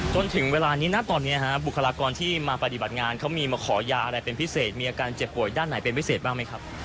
จนถึงเวลานี้นะตอนนี้ฮะบุคลากรที่มาปฏิบัติงานเขามีมาขอยาอะไรเป็นพิเศษมีอาการเจ็บป่วยด้านไหนเป็นพิเศษบ้างไหมครับ